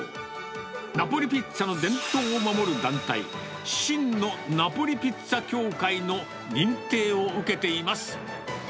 ナポリピッツァの伝統を守る団体、真のナポリピッツァ協会の認定を受けています。